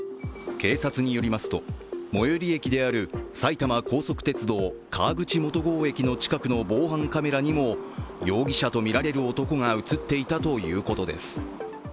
警察によりますと、最寄り駅である埼玉高速鉄道・川口元郷駅の近くの防犯カメラにも容疑者とみられる男が映っていたということです。